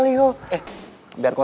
dia nggak punya berapa